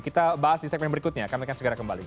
kita bahas di segmen berikutnya kami akan segera kembali